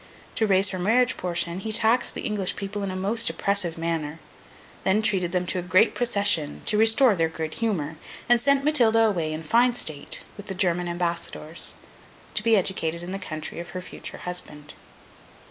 To raise her marriage portion, he taxed the English people in a most oppressive manner; then treated them to a great procession, to restore their good humour; and sent Matilda away, in fine state, with the German ambassadors, to be educated in the country of her future husband.